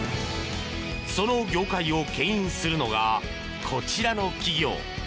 その業界をけん引するのがこちらの企業。